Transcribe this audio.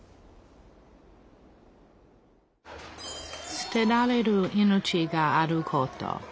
すてられる命があること